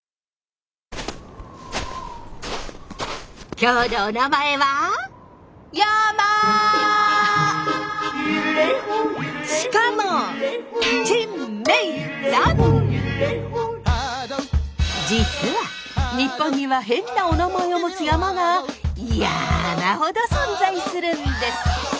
今日の「おなまえ」はしかも実は日本にはヘンなお名前を持つ山が山ほど存在するんです！